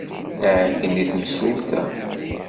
Nɛeyyen i temsulta.